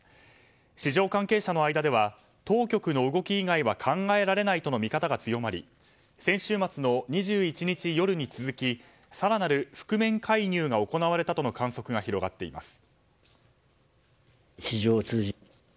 市場関係者の間では当局の動き以外は考えられないとの見方が強まり先週末の２１日夜に続き更なる覆面介入が行われたとの観測が広がっています。